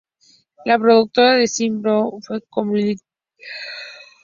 La productora es la Shin-Ei Animation Co., Ltd..